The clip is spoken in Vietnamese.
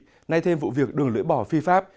nhưng có thể bị kịp nay thêm vụ việc đường lưỡi bò phi pháp